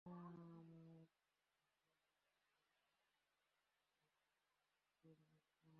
Adenium নামটি আরবিতে ওডাইন, যার অর্থ অ্যাডেন অর্থাৎ ইয়েমেনের পূর্ব নাম।